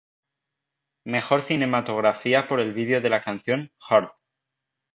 Mejor cinematografía por el video de la canción "Hurt".